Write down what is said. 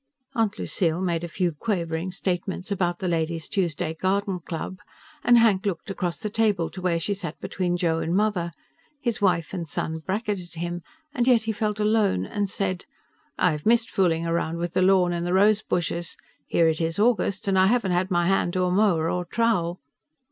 Aunt Lucille made a few quavering statements about the Ladies' Tuesday Garden Club, and Hank looked across the table to where she sat between Joe and Mother his wife and son bracketed him, and yet he felt alone and said, "I've missed fooling around with the lawn and the rose bushes. Here it is August and I haven't had my hand to a mower or trowel."